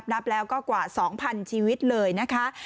พอพาไปดูก็จะพาไปดูที่เรื่องของเครื่องบินเฮลิคอปเตอร์ต่าง